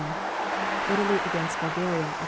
Italy against Bulgaria, Oct.